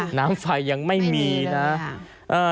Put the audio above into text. ค่ะน้ำไฟยังไม่มีไม่มีเลยฮะอ่า